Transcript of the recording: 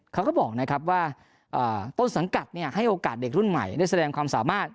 เขาก็บอกนะครับว่าต้นสังกัดให้โอกาสเด็กรุ่นใหม่ได้แสดงความสามารถ